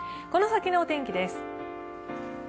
この先のお天気です。